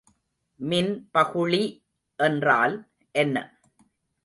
மின்பகுளி என்றால் என்ன?